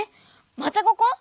またここ？